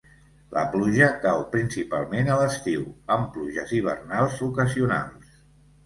La pluja cau principalment a l'estiu, amb pluges hivernals ocasionals.